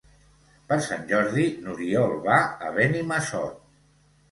Per Sant Jordi n'Oriol va a Benimassot.